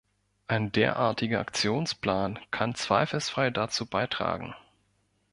Ein derartiger Aktionsplan kann zweifelsfrei dazu beitragen.